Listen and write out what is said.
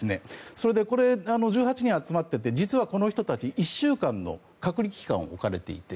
それで、１８人集まっていて実は、この人たち、１週間の隔離期間を置かれていて。